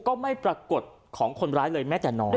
ก็ไม่ปรากฏของคนร้ายเลยแม้แต่น้อย